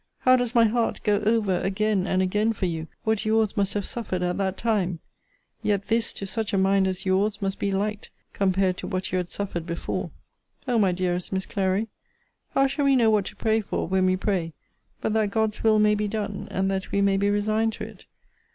How does my heart go over again and again for you, what your's must have suffered at that time! Yet this, to such a mind as your's, must be light, compared to what you had suffered before. O my dearest Miss Clary, how shall we know what to pray for, when we pray, but that God's will may be done, and that we may be resigned to it!